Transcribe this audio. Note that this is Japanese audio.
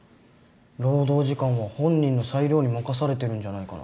労働時間は本人の裁量に任されてるんじゃないかな。